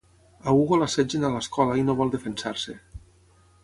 A Hugo l'assetgen a l'escola i no vol defensar-se.